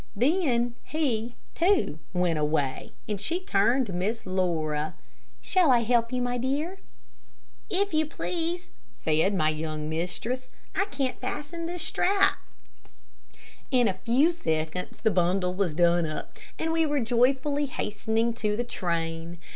Then he, too, went away, and she turned to Miss Laura. "Shall I help you, my dear?" "If you please," said my young mistress. "I can't fasten this strap." In a few seconds the bundle was done up, and we were joyfully hastening to the train.